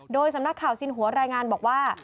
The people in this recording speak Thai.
โดยสำนักข่าวสินหัวรายงานบอกว่า